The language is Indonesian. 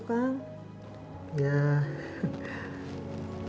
gimana tuh dramya job